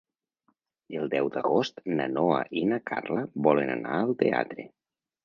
El deu d'agost na Noa i na Carla volen anar al teatre.